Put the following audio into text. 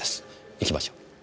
行きましょう。